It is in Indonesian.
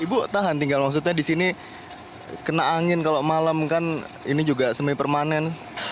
ibu tahan tinggal maksudnya disini kena angin kalau malem kan ini juga semi permanen